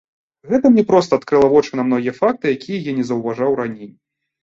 Гэта мне проста адкрыла вочы на многія факты, якія я не заўважаў раней.